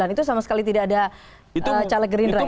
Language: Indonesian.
itu sama sekali tidak ada caleg gerindra